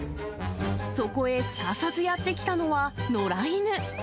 そこへすかさずやって来たのは、野良犬。